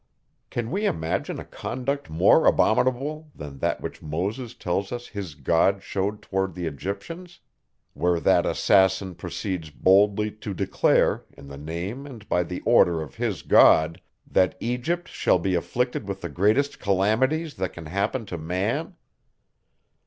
Can we imagine a conduct more abominable, than that which Moses tells us his God showed towards the Egyptians, where that assassin proceeds boldly to declare, in the name and by the order of his God, that Egypt shall be afflicted with the greatest calamities, that can happen to man?